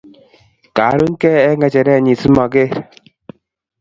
kaaruny kei eng kecheret nyii simaker